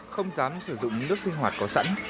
không dám sử dụng nước sinh hoạt có sẵn